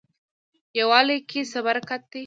یووالي کې څه برکت دی؟